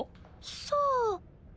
さあ？